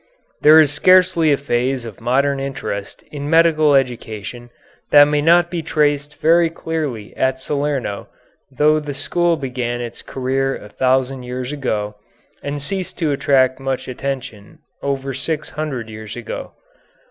There is scarcely a phase of modern interest in medical education that may not be traced very clearly at Salerno though the school began its career a thousand years ago, and ceased to attract much attention over six hundred years ago.